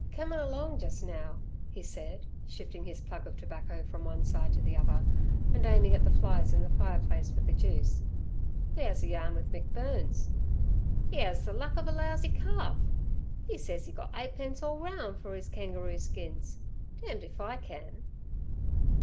"Comin' along jes' now," he said, shifting his plug of tobacco from one side to the other, and aiming at the flies in the fireplace with the juice, "we 'as a yarn with Mick Byrnes. 'E 'as ther luck of er lousy calf. 'E sez 'e got eightpence orl roun' fer 'ees kangaroo skins. Damned if I can."